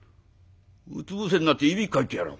うつ伏せになっていびきかいてやらあ。